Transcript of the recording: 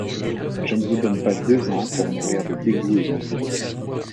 Je ne vous donne pas deux ans pour mourir de dégoût et d’ennui.